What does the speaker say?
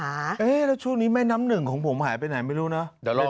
แล้วช่วงนี้แม่น้ำหนึ่งของผมหายไปไหนไม่รู้เนอะเดี๋ยวรอ